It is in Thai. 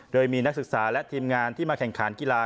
โดยมีนักศึกษาและทีมงานที่มาแข่งขันกีฬา